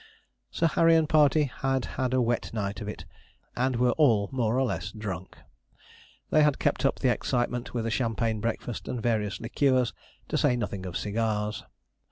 Sir Harry and party had had a wet night of it, and were all more or less drunk. They had kept up the excitement with a champagne breakfast and various liqueurs, to say nothing of cigars.